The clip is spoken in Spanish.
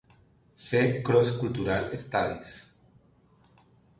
See Cross-Cultural Studies.